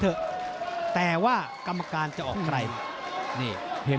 หรือว่าผู้สุดท้ายมีสิงคลอยวิทยาหมูสะพานใหม่